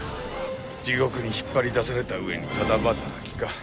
地獄に引っ張り出された上にタダ働きか。